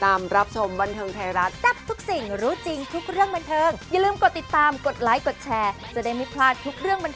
อ่าแบบนี้ดีนี่กองเชียร์เฮ้ยเลย